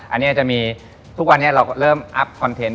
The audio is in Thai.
อันนี้จะมีทุกวันนี้เราก็เริ่มอัพคอนเทนต์